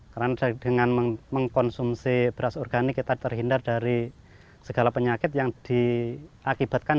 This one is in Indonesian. karena dengan mengkonsumsi beras organik kita terhindar dari segala penyakit yang diakibatkan